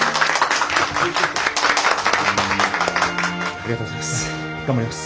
ありがとうございます。